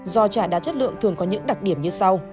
giò chả đá chất lượng thường có những đặc điểm như sau